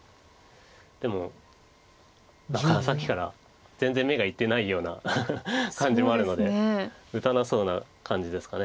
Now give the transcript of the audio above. でもさっきから全然目がいってないような感じもあるので打たなそうな感じですか。